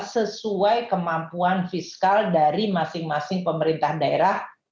sesuai kemampuan fiskal dari masing masing pemerintah daerah